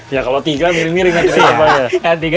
ya kalau tiga miring miring